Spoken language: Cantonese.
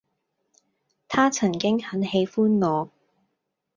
她曾經很喜歡我